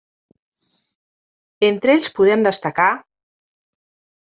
Entre ells podem destacar: